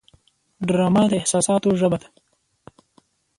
ډرامه د احساساتو ژبه ده